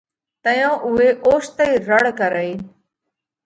تئيون اُوئہ اوچتئِي رڙ ڪرئِي۔